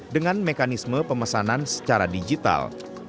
dengan mekanisme pemesanan secara digital